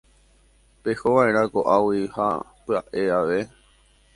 Pehóva'erã ko'águi ha pya'e ave.